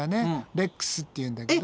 レックスっていうんだけど。